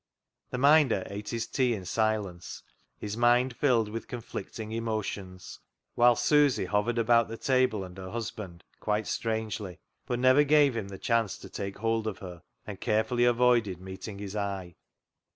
The Minder ate his tea in silence, his mind 192 CLOG SHOP CHRONICLES filled with conflicting emotions, whilst Susy hovered about the table and her husband quite strangely, but never gave him the chance to take hold of her, and carefully avoided meeting his eye.